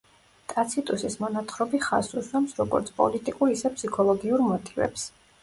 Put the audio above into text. ტაციტუსის მონათხრობი ხაზს უსვამს როგორც პოლიტიკურ, ისე ფსიქოლოგიურ მოტივებს.